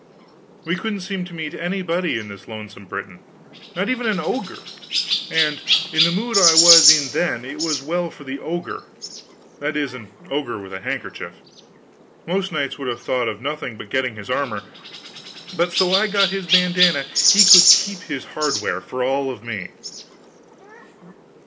We couldn't seem to meet anybody in this lonesome Britain, not even an ogre; and, in the mood I was in then, it was well for the ogre; that is, an ogre with a handkerchief. Most knights would have thought of nothing but getting his armor; but so I got his bandanna, he could keep his hardware, for all of me.